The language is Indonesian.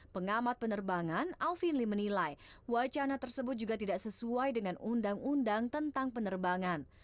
pengamat penerbangan alvin lee menilai wacana tersebut juga tidak sesuai dengan undang undang tentang penerbangan